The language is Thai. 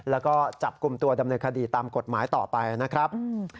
แล้วก็จับกลุ่มตัวดำเนินคดีตามกฎหมายต่อไปนะครับ